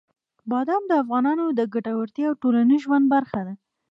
بادام د افغانانو د ګټورتیا او ټولنیز ژوند برخه ده.